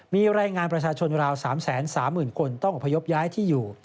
มีรายงานประชาชนราว๓๓๐๐๐คนต้องอพยพย้ายที่อยู่